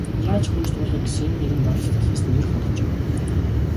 Яаж ч хөөж туулаа гэсэн энэ нэгэн бодол сэтгэлээс нь ер холдож өгөхгүй байв.